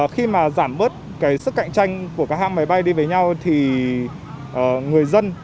khi mà giảm bớt cái sức cạnh tranh của các hãng máy bay đi với nhau thì người dân